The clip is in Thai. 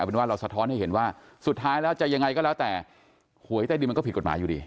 เป็นว่าเราสะท้อนให้เห็นว่าสุดท้ายแล้วจะยังไงก็แล้วแต่หวยใต้ดินมันก็ผิดกฎหมายอยู่ดี